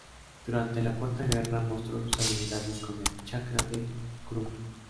Durante la Cuarta Guerra, mostró sus habilidades con el Chakra de Kurama.